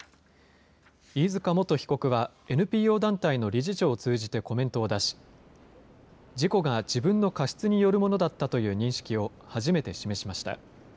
飯塚元被告は、ＮＰＯ団体の理事長を通じてコメントを出し、事故が自分の過失によるものだったという認識を初めて示しました。